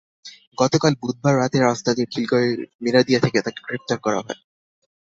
গতকাল বুধবার রাতে রাজধানীর খিলগাঁওয়ের মেরাদিয়া থেকে তাঁকে গ্রেপ্তার করা হয়।